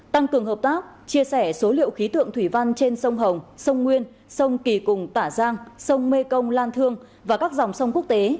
tăng cường hợp tác chia sẻ số liệu khí tượng thủy văn trên sông hồng sông nguyên sông kỳ cùng tả giang sông mê công lan thương và các dòng sông quốc tế